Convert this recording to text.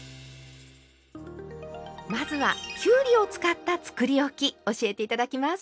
まずはきゅうりを使ったつくりおき教えて頂きます。